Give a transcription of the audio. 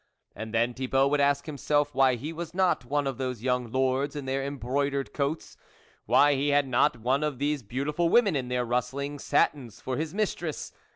And then Thibault would ask himself why he was not one of those young lords in their embroidered coats ; why he had not one of these beautiful women in their rustling satins for his mistress.